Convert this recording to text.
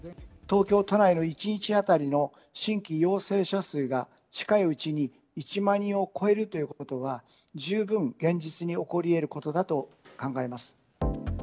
東京都内の１日当たりの新規陽性者数が、近いうちに１万人を超えるということは、十分、現実に起こりえることだと考えます。